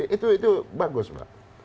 itu bagus pak